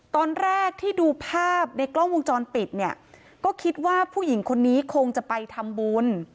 ตอนแรกที่ดูภาพในกล้องวงจรปิดเนี่ยก็คิดว่าผู้หญิงคนนี้คงจะไปทำบุญ